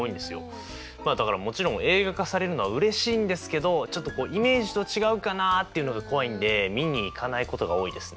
だからもちろん映画化されるのはうれしいんですけどちょっとイメージと違うかなっていうのが怖いんでみに行かないことが多いですね。